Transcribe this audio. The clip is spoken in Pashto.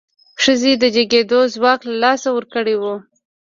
ښځې د جګېدو ځواک له لاسه ورکړی و.